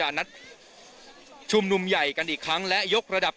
ได้เขียนด้วยสีแดงนะครับ